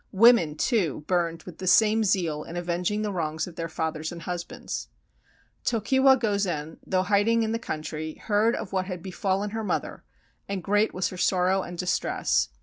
Women too burned with the same zeal in avenging the wrongs of their fathers and husbands. Tokiwa Gozen, though hiding in the country, heard of what had befallen her mother, and great was her sor row and distress.